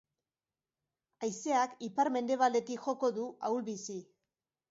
Haizeak ipar-mendebaldetik joko du, ahul-bizi.